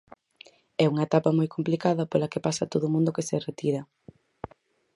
É unha etapa moi complicada pola que pasa todo o mundo que se retira.